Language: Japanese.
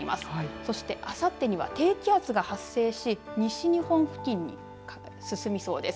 そして、あさってには低気圧が発生し西日本付近に進みそうです。